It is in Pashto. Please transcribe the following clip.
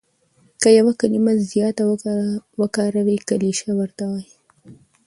که یو کلیمه زیاته وکاروې کلیشه ورته وايي.